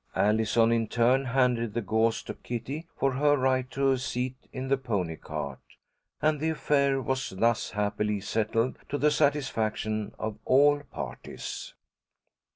Allison in turn handed the gauze to Kitty for her right to a seat in the pony cart, and the affair was thus happily settled to the satisfaction of all parties.